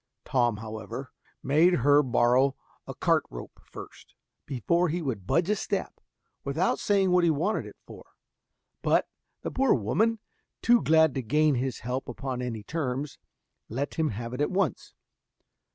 Tom, however, made her borrow a cart rope first, before he would budge a step, without saying what he wanted it for; but the poor woman, too glad to gain his help upon any terms, let him have it at once.